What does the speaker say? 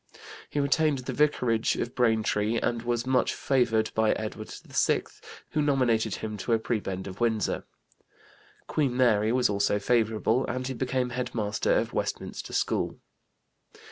He retained the vicarage of Braintree, and was much favored by Edward VI, who nominated him to a prebend of Windsor. Queen Mary was also favorable and he became head master of Westminster School.